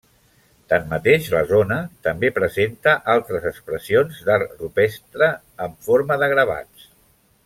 Tanmateix, la zona també presenta altres expressions d'art rupestre en forma de gravats.